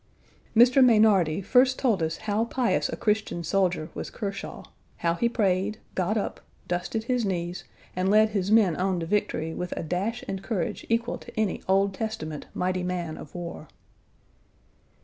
Mr. Meynardie first told us how pious a Christian Soldier was Kershaw, how he prayed, got up, dusted his knees and led his men on to victory with a dash and courage equal to any Old Testament mighty man of war.